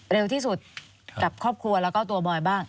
เร็วที่สุดกับครอบครัวแล้วก็ตัวบอยบ้าง